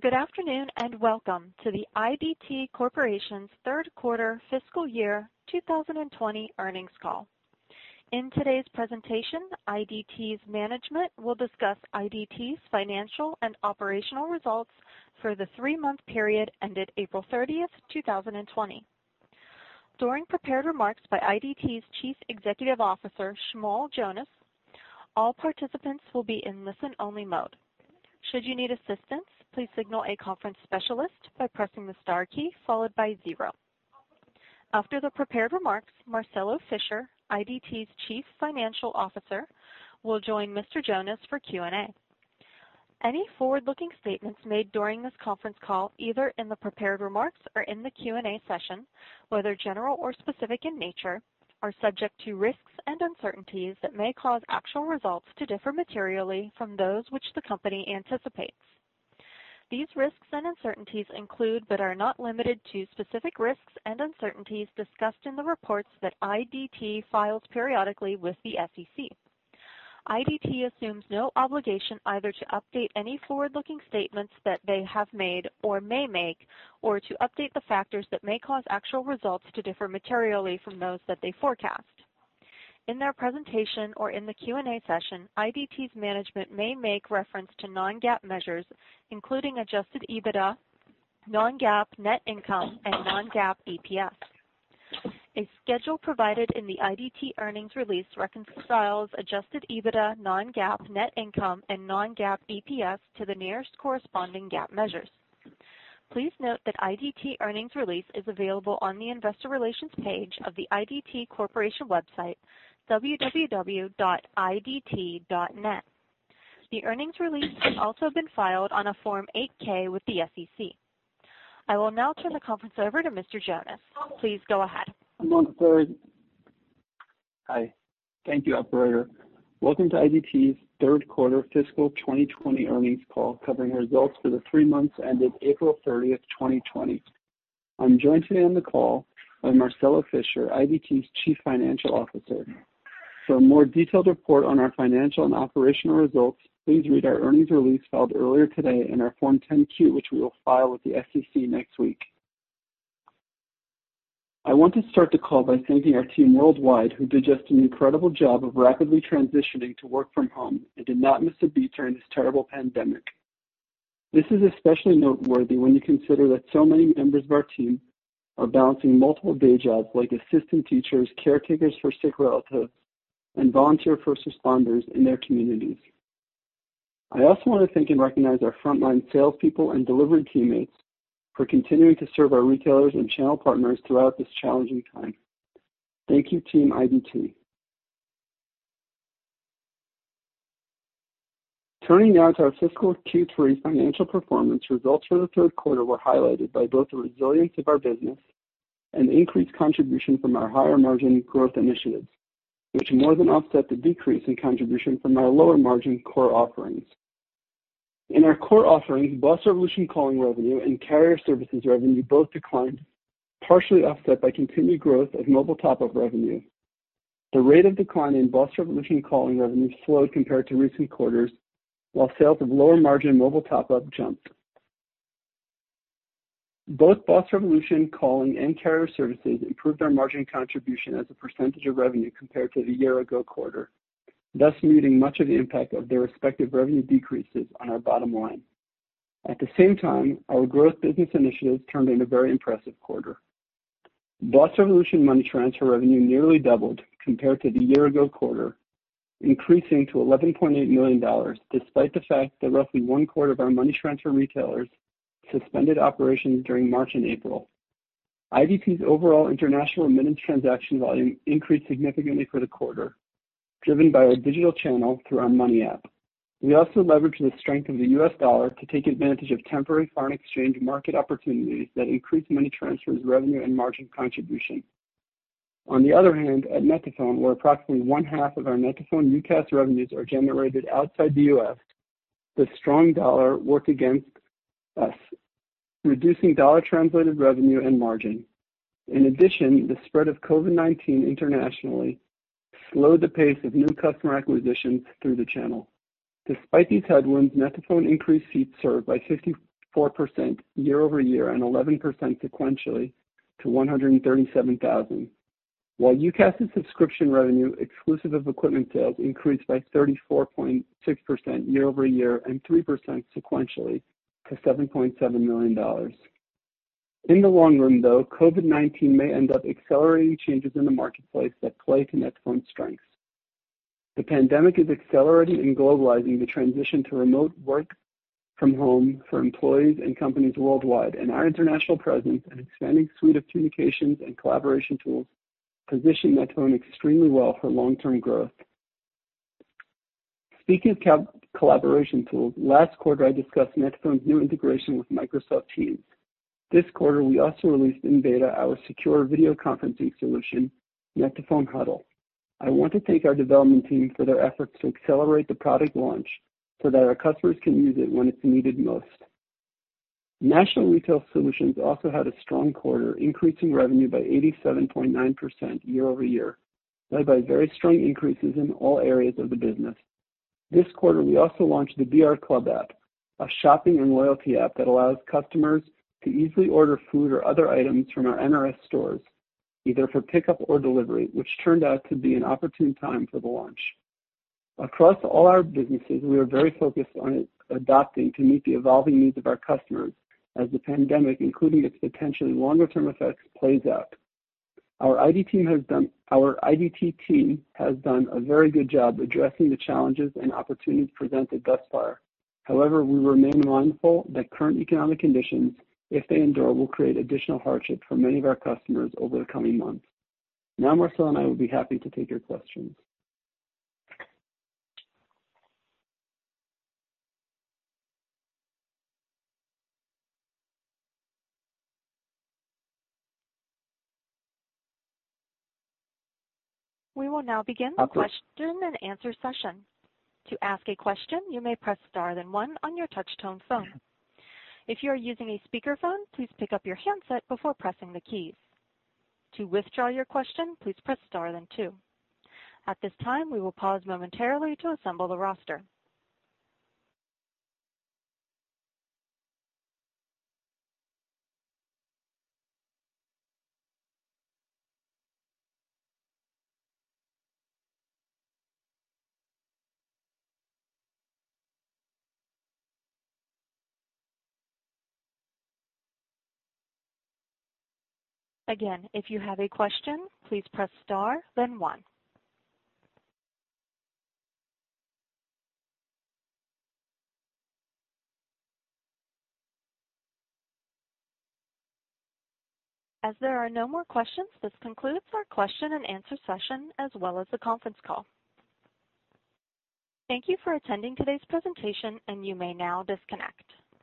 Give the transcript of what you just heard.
Good afternoon and welcome to the IDT Corporation's Third Quarter Fiscal Year 2020 Earnings Call. In today's presentation, IDT's management will discuss IDT's financial and operational results for the three-month period ended April 30th, 2020. During prepared remarks by IDT's Chief Executive Officer, Shmuel Jonas, all participants will be in listen-only mode. Should you need assistance, please signal a conference specialist by pressing the star key followed by zero. After the prepared remarks, Marcelo Fischer, IDT's Chief Financial Officer, will join Mr. Jonas for Q&A. Any forward-looking statements made during this conference call, either in the prepared remarks or in the Q&A session, whether general or specific in nature, are subject to risks and uncertainties that may cause actual results to differ materially from those which the company anticipates. These risks and uncertainties include, but are not limited to, specific risks and uncertainties discussed in the reports that IDT files periodically with the SEC. IDT assumes no obligation either to update any forward-looking statements that they have made or may make, or to update the factors that may cause actual results to differ materially from those that they forecast. In their presentation or in the Q&A session, IDT's management may make reference to non-GAAP measures, including Adjusted EBITDA, non-GAAP net income, and non-GAAP EPS. A schedule provided in the IDT earnings release reconciles Adjusted EBITDA, non-GAAP net income, and non-GAAP EPS to the nearest corresponding GAAP measures. Please note that IDT earnings release is available on the investor relations page of the IDT Corporation website, www.idt.net. The earnings release has also been filed on a Form 8-K with the SEC. I will now turn the conference over to Mr. Jonas, please go ahead. Good morning, sir. Hi. Thank you, Operator. Welcome to IDT's third quarter fiscal 2020 earnings call covering results for the three months ended April 30th, 2020. I'm joined today on the call by Marcelo Fischer, IDT's Chief Financial Officer. For a more detailed report on our financial and operational results, please read our earnings release filed earlier today and our Form 10-Q, which we will file with the SEC next week. I want to start the call by thanking our team worldwide, who did just an incredible job of rapidly transitioning to work from home and did not miss a beat during this terrible pandemic. This is especially noteworthy when you consider that so many members of our team are balancing multiple day jobs like assistant teachers, caretakers for sick relatives, and volunteer first responders in their communities. I also want to thank and recognize our frontline salespeople and delivery teammates for continuing to serve our retailers and channel partners throughout this challenging time. Thank you, Team IDT. Turning now to our fiscal Q3 financial performance, results for the third quarter were highlighted by both the resilience of our business and increased contribution from our higher margin growth initiatives, which more than offset the decrease in contribution from our lower margin core offerings. In our core offerings, BOSS Revolution calling revenue and carrier services revenue both declined, partially offset by continued growth of mobile top-up revenue. The rate of decline in BOSS Revolution calling revenue slowed compared to recent quarters, while sales of lower margin mobile top-Up jumped. Both BOSS Revolution calling and carrier services improved our margin contribution as a percentage of revenue compared to the year-ago quarter, thus muting much of the impact of their respective revenue decreases on our bottom line. At the same time, our growth business initiatives turned into a very impressive quarter. BOSS Revolution money transfer revenue nearly doubled compared to the year-ago quarter, increasing to $11.8 million despite the fact that roughly one quarter of our money transfer retailers suspended operations during March and April. IDT's overall international remittance transaction volume increased significantly for the quarter, driven by our digital channel through our BOSS Money app. We also leveraged the strength of the U.S. dollar to take advantage of temporary foreign exchange market opportunities that increased money transfer's revenue and margin contribution. On the other hand, at net2phone, where approximately one half of our net2phone UCaaS revenues are generated outside the U.S., the strong dollar worked against us, reducing dollar translated revenue and margin. In addition, the spread of COVID-19 internationally slowed the pace of new customer acquisitions through the channel. Despite these headwinds, net2phone increased seats served by 54% year-over-year and 11% sequentially to 137,000, while UCaaS's subscription revenue exclusive of equipment sales increased by 34.6% year-over-year and 3% sequentially to $7.7 million. In the long run, though, COVID-19 may end up accelerating changes in the marketplace that play to net2phone's strengths. The pandemic is accelerating and globalizing the transition to remote work from home for employees and companies worldwide, and our international presence and expanding suite of communications and collaboration tools position net2phone extremely well for long-term growth. Speaking of collaboration tools, last quarter I discussed net2phone's new integration with Microsoft Teams. This quarter, we also released in beta our secure video conferencing solution, net2phone Huddle. I want to thank our development team for their efforts to accelerate the product launch so that our customers can use it when it's needed most. National Retail Solutions also had a strong quarter, increasing revenue by 87.9% year-over-year, led by very strong increases in all areas of the business. This quarter, we also launched the BR Club app, a shopping and loyalty app that allows customers to easily order food or other items from our NRS stores, either for pickup or delivery, which turned out to be an opportune time for the launch. Across all our businesses, we are very focused on adapting to meet the evolving needs of our customers as the pandemic, including its potentially longer-term effects, plays out. Our IDT team has done a very good job addressing the challenges and opportunities presented thus far. However, we remain mindful that current economic conditions, if they endure, will create additional hardship for many of our customers over the coming months. Now, Marcelo and I will be happy to take your questions. We will now begin the question and answer session. To ask a question, you may press star then one on your touch-tone phone. If you are using a speakerphone, please pick up your handset before pressing the keys. To withdraw your question, please press star then two. At this time, we will pause momentarily to assemble the roster. Again, if you have a question, please press star then one. As there are no more questions, this concludes our question and answer session as well as the conference call. Thank you for attending today's presentation, and you may now disconnect.